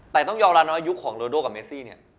แต่ต้องยอมรับนะว่ายุคของโลโดกับเมซี่เนี่ย